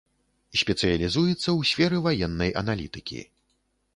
Спецыялізуецца ў сферы ваеннай аналітыкі.